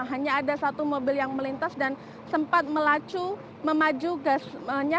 hanya ada satu mobil yang melintas dan sempat melacu memaju gasnya